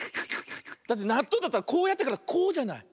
だってなっとうだったらこうやってからこうじゃない？